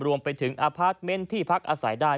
รวมไปถึงอพาร์ทเมนต์ที่พักอาศัยได้